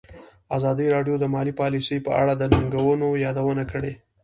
ازادي راډیو د مالي پالیسي په اړه د ننګونو یادونه کړې.